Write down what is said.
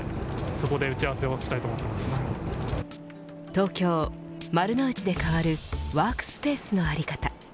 東京、丸の内で変わるワークスペースの在り方。